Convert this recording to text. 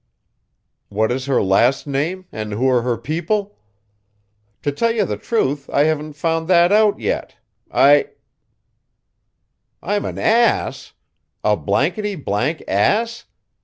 What is her last name and who are her people? To tell you the truth I haven't found that out yet. I I'm an ass? a blankety, blank ass?